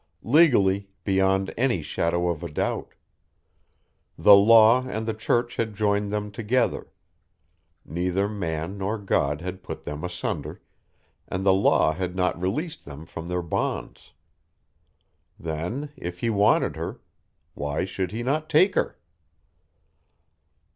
Legally, beyond any shadow of a doubt. The law and the Church had joined them together. Neither man nor God had put them asunder, and the law had not released them from their bonds. Then, if he wanted her, why should he not take her?